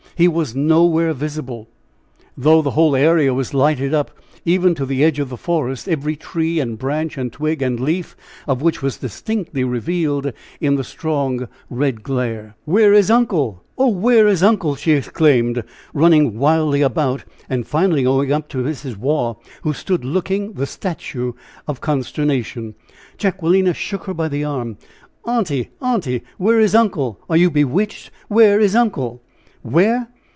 He was nowhere visible, though the whole area was lighted up, even to the edge of the forest, every tree and branch and twig and leaf of which was distinctly revealed in the strong, red glare. "Where is uncle? Oh! where is uncle?" she exclaimed, running wildly about, and finally going up to Mrs. Waugh, who stood looking, the statue of consternation. Jacquelina shook her by the arm. "Aunty! aunty! Where is uncle? Are you bewitched? Where is uncle?" "Where?